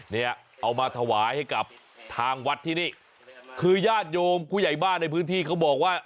เนี่ยเอามาถวายให้กับทางวัดที่นี่คือญาติโยมผู้ใหญ่บ้านในพื้นที่เขาบอกว่า